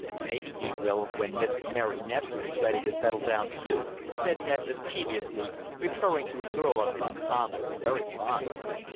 "Maybe he will when Miss Mary Nestor is ready to settle down too," said Ned mischievously, referring to a girl of whom Tom was very fond.